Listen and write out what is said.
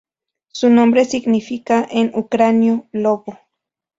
Su nombre significa, en ucraniano, "lobo".